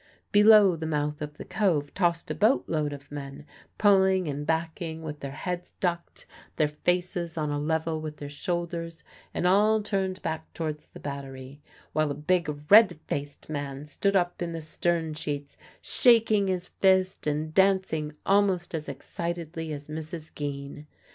Below the mouth of the Cove tossed a boatload of men, pulling and backing with their heads ducked, their faces on a level with their shoulders, and all turned back towards the battery, while a big red faced man stood up in the stern sheets shaking his fist and dancing almost as excitedly as Mrs. Geen.